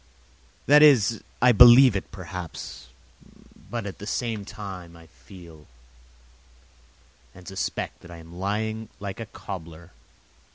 That is, I believe it, perhaps, but at the same time I feel and suspect that I am lying like a cobbler.